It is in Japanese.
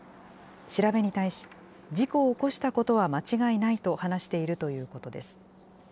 調べに対し、事故を起こしたことは間違いないと話しているということです。